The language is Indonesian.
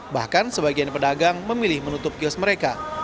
bahkan sebagian pedagang memilih menutup kios mereka